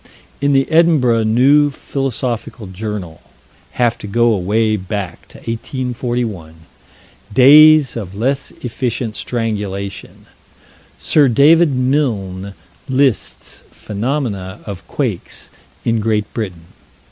In the Edinburgh New Philosophical Journal have to go away back to 1841 days of less efficient strangulation Sir David Milne lists phenomena of quakes in Great Britain.